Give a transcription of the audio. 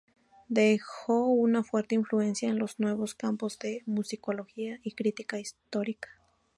Dejó una fuerte influencia en los nuevos campos de musicología y crítica histórica.